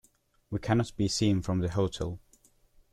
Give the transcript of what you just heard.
We cannot be seen from the hotel.